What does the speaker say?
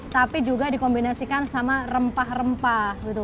tapi juga dikombinasikan sama rempah rempah gitu